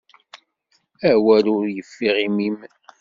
Awal ur yeffiɣ imi-m.